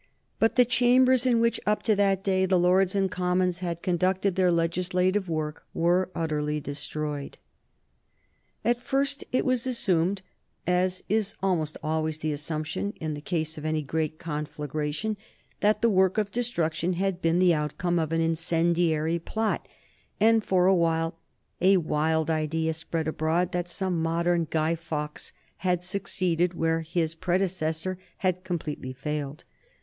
But the chambers in which, up to that day, the Lords and Commons had conducted their legislative work were utterly destroyed. [Sidenote: 1834 Burning of the old Parliament Houses] At first it was assumed, as is almost always the assumption in the case of any great conflagration, that the work of destruction had been the outcome of an incendiary plot, and for a while a wild idea spread abroad that some modern Guy Fawkes had succeeded where his predecessor had completely failed.